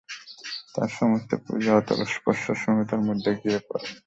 তার সমস্ত পূজা অতলস্পর্শ শূন্যতার মধ্যে গিয়ে পড়ে।